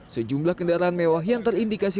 sejumlah kendaraan mewah yang terindikasi